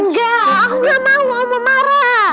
enggak aku gak mau aku mau marah